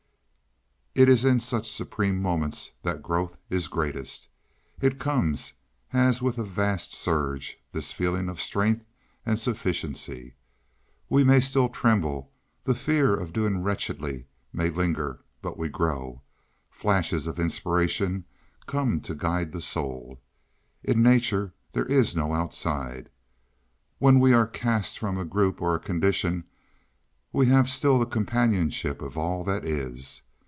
It is in such supreme moments that growth is greatest. It comes as with a vast surge, this feeling of strength and sufficiency. We may still tremble, the fear of doing wretchedly may linger, but we grow. Flashes of inspiration come to guide the soul. In nature there is no outside. When we are cast from a group or a condition we have still the companionship of all that is.